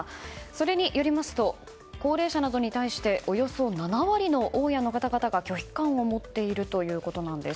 それによりますと高齢者などに対しておよそ７割の大谷の方々が拒否感を持っているということなんです。